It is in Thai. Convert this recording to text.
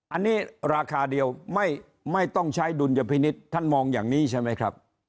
อันนี้ราคาเดียวไม่ต้องใช้ดุลยพินิษฐ์ท่านมองอย่างนี้ใช่ไหมครับ